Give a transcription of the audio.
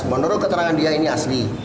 menurut keterangan dia ini asli